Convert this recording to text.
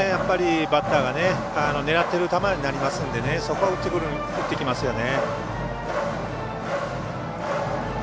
バッターが狙ってる球になりますのでそこは打ってきますよね。